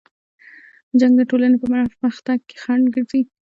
جنګ د ټولنې په پرمختګ کې خنډ ګرځي.